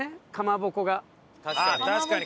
確かに。